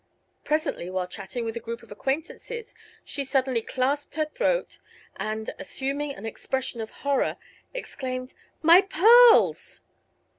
Presently, while chatting with a group of acquaintances, she suddenly clasped her throat and assuming an expression of horror exclaimed: "My pearls!"